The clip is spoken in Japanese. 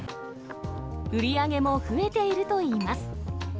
売り上げも増えているといいます。